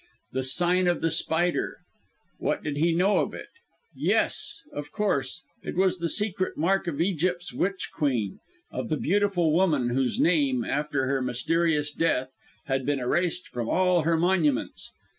The sign of the spider! What did he know of it? Yes! of course; it was the secret mark of Egypt's witch queen of the beautiful woman whose name, after her mysterious death, had been erased from all her monuments.